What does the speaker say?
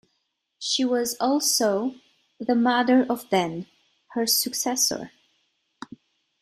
She was also the mother of Den, her successor.